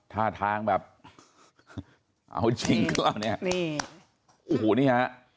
ท่าทางแบบเอาจริงก็แล้วเนี่ย